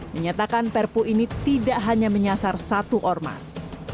menyatakan perpu ini tidak hanya menyasar satu ormas